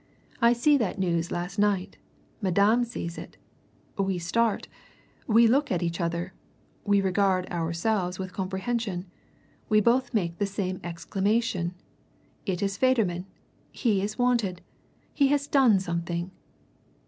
I see that news last night Madame sees it! We start we look at each other we regard ourselves with comprehension. We both make the same exclamation 'It is Federman! He is wanted! He has done something!'